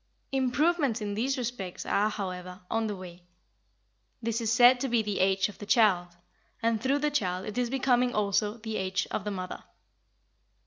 Improvements in these respects are, however, on the way. This is said to be the age of the child, and through the child it is becoming also the age of the mother.